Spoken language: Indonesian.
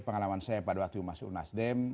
pengalaman saya pada waktu masuk nasdem